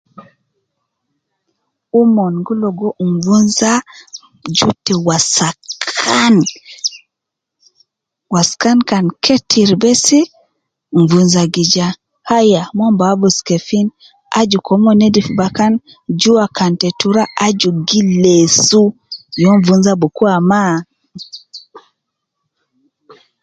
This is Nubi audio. Omon gu logo nvunza ju ta wasakkan, waskan kan ketiri besi, nvunza gi ja, aya ,mon bi abus kefin, aju ke omon nedif bakan, jua kan te tura aju gi leesu, ya nvunza bi kua ma